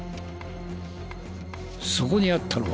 そこにあったのは。